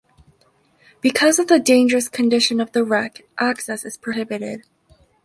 Because of the dangerous condition of the wreck, access is prohibited.